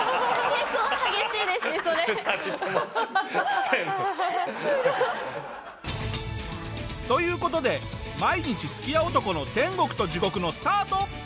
結構激しいですねそれ。という事で毎日すき家男の天国と地獄のスタート！